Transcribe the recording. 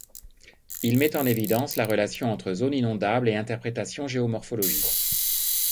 Il met en évidence la relation entre zone inondable et interprétation géomorphologique.